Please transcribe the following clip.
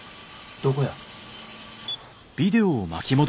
どこや。